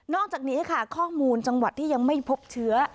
อกจากนี้ค่ะข้อมูลจังหวัดที่ยังไม่พบเชื้อ